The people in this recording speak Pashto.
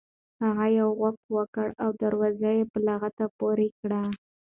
هغه یو غوپ وکړ او دروازه یې په لغته پورې کړه.